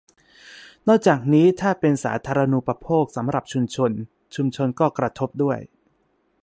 นอกจากนี้ถ้าเป็นสาธารณูปโภคสำหรับชุมชน ชุมชนก็กระทบด้วย